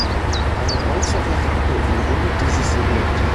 Eine äußere Rampe umrundet dieses Segment.